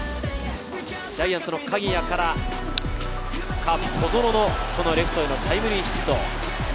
ジャイアンツの鍵谷からカープ・小園のレフトへのタイムリーヒット。